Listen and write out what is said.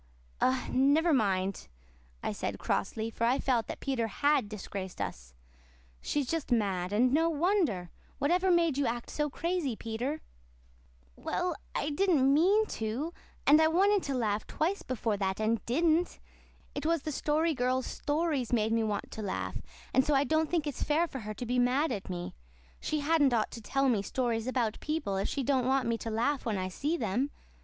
"Oh, never mind," I said crossly for I felt that Peter HAD disgraced us "She's just mad and no wonder. Whatever made you act so crazy, Peter?" "Well, I didn't mean to. And I wanted to laugh twice before that and DIDN'T. It was the Story Girl's stories made me want to laugh, so I don't think it's fair for her to be mad at me. She hadn't ought to tell me stories about people if she don't want me to laugh when I see them.